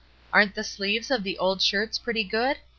Aren't the sleeves of the old shirts pretty good